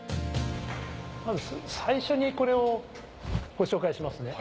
最初にこれをご紹介しますね。